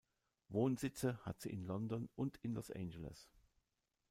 Wohnsitze hat sie in London und in Los Angeles.